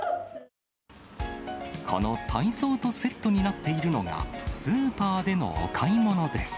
この体操とセットになっているのが、スーパーでのお買い物です。